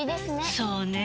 そうねぇ。